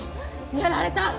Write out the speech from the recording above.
やられた！